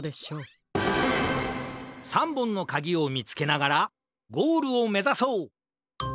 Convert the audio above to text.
３ぼんのかぎをみつけながらゴールをめざそう！